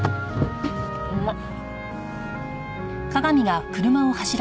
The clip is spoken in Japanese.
うまっ！